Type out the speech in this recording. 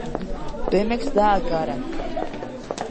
Pemex dá a cara.